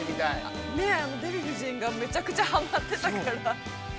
デヴィ夫人がめちゃくちゃハマってたから。